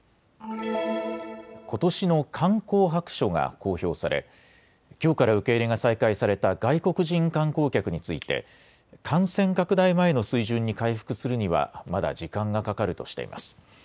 ことしの観光白書が公表され、きょうから受け入れが再開された外国人観光客について感染拡大前の水準に回復するにはまだ時間がかかるとしています。